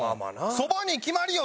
そばに決まりよ